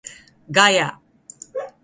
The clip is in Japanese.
ガヤ